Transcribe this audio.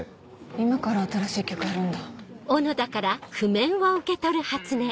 今から新しい曲やるんだ。